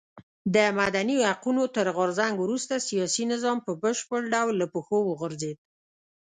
د مدني حقونو تر غورځنګ وروسته سیاسي نظام په بشپړ ډول له پښو وغورځېد.